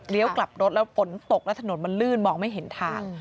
กลับรถแล้วฝนตกแล้วถนนมันลื่นมองไม่เห็นทาง